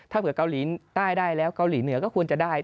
ถ้าเผื่อเกาหลีใต้ได้แล้วเกาหลีเหนือก็ควรจะได้